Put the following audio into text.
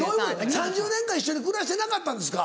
３０年間一緒に暮らしてなかったんですか？